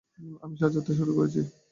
আমি সাজাতে শুরু করি।